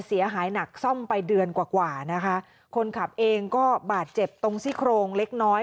เสียหายหนักซ่อมไปเดือนกว่ากว่านะคะคนขับเองก็บาดเจ็บตรงซี่โครงเล็กน้อย